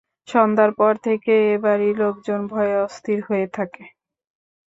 সন্ধ্যার পর থেকে এ-বাড়ির লোকজন ভয়ে অস্থির হয়ে থাকে।